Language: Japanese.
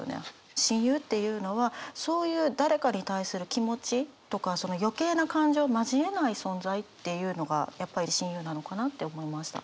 親友っていうのはそういう誰かに対する気持ちとか余計な感情を交えない存在っていうのがやっぱり親友なのかなって思いました。